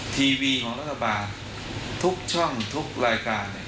ทีวีของรัฐบาลทุกช่องทุกรายการ